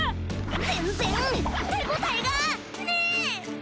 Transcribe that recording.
全然手応えがねー！